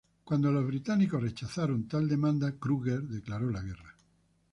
Cuando los británicos rechazaron tal demanda, Kruger declaró la guerra.